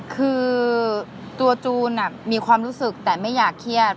คือตัวจูนมีความรู้สึกแต่ไม่อยากเครียด